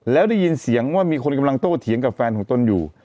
แล้วได้ยินเสียงว่ามีคนกำลังโต้เถียงกับแฟนของตนอยู่